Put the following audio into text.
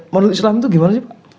menurut islam itu gimana sih pak